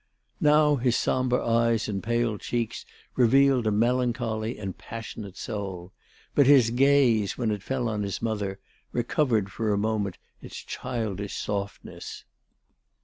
Now his sombre eyes and pale cheeks revealed a melancholy and passionate soul. But his gaze, when it fell on his mother, recovered for a brief moment its childish softness.